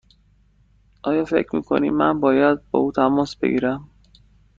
آیا فکر می کنی من باید با او تماس بگیرم؟